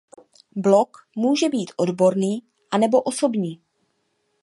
Blog může být odborný anebo osobní.